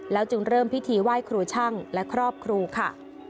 จึงเริ่มพิธีไหว้ครูช่างและครอบครูค่ะ